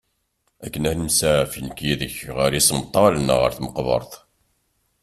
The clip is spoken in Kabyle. Akken ara nemsaɛaf nekk yid-k ɣer isemṭal neɣ ɣer tmeqbert.